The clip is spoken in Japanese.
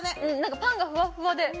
パンがふわふわ。